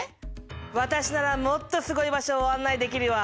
私ならもっとすごい場所を案内できるわ。